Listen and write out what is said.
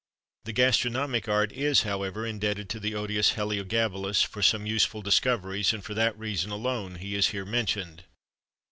The gastronomic art is, however, indebted to the odious Heliogabalus for some useful discoveries, and for that reason alone is he here mentioned.